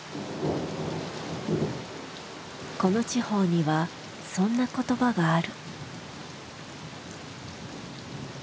この地方にはそんな言葉がある。